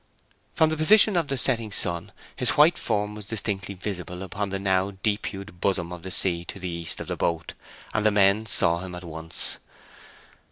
From the position of the setting sun his white form was distinctly visible upon the now deep hued bosom of the sea to the east of the boat, and the men saw him at once.